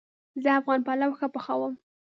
زه افغان پلو ښه پخوم